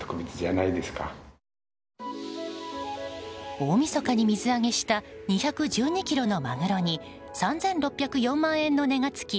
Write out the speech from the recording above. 大みそかに水揚げした２１２ｋｇのマグロに３６０４万円の値が付き